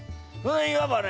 いわばね